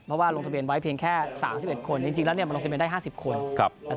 เพราะว่าลงทะเบียนไว้เพียงแค่๓๑คนจริงแล้วมาลงทะเบียนได้๕๐คน